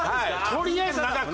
とりあえず長く。